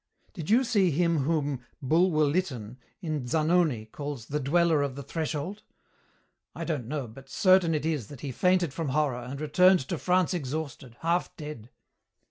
Did he see him whom Bulwer Lytton in Zanoni calls 'the dweller of the threshold'? I don't know, but certain it is that he fainted from horror and returned to France exhausted, half dead."